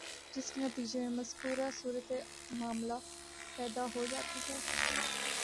جس کے نتیجے میں مذکورہ صورتِ معاملہ پیدا ہو جاتی ہے